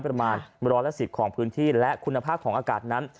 ประมาณร้อยละ๑๐ของพื้นที่และคุณภาพของอากาศนั้น